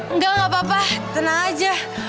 enggak enggak apa apa tenang aja